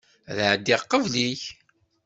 Ad ɛeddiɣ qbel-ik.